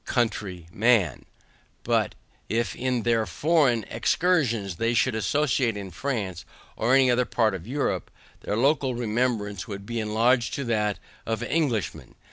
COUNTY MAN; but if in their foreign excursions they should associate in France or any other part of EUROPE, their local remembrance would be enlarged into that of ENGLISHMEN.